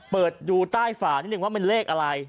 เปิดดูใต้ฝานิดนึงว่าเป็นเลขอะไร